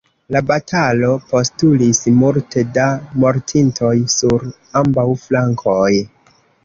La batalo postulis multe da mortintoj sur ambaŭ flankoj.